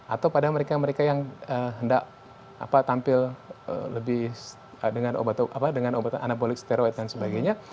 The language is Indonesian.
atau pada mereka mereka yang hendak tampil lebih dengan obat annabolik steroid dan sebagainya